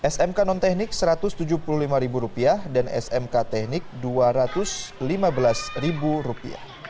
smk non teknik rp satu ratus tujuh puluh lima dan smk teknik rp dua ratus lima belas